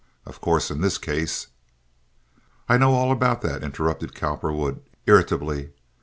Of course, in this case—" "I know all about that," interrupted Cowperwood, irritably.